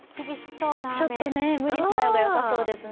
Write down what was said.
ちょっと無理しない方がよさそうですね。